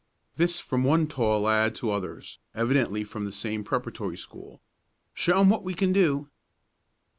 This from one tall lad to others, evidently from the same preparatory school. "Show 'em what we can do!"